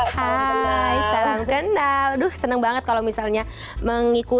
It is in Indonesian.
halo mbak selamat datang